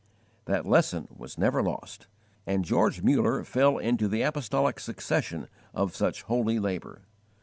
That lesson was never lost, and George Muller fell into the apostolic succession of such holy labour!